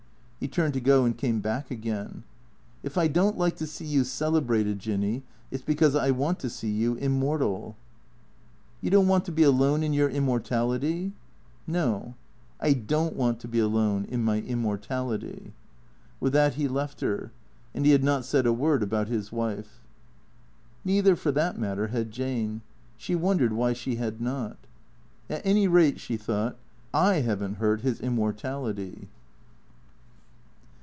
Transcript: He turned to go and came back again. " If I don't like to see you celebrated, Jinny, it 's because I want to see you immortal." " You don't want to be alone in your immortality ?"" No. I don't want to be alone — in my immortality." With that he left her. And he had not said a word about his wife. Neither for that matter had Jane. She wondered why she had not. " At any rate/' she thought, '" I have n't hurt his immortality."